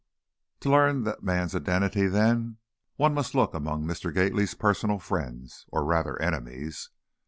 To learn the man's identity then, one must look among Mr. Gately's personal friends, or, rather, enemies.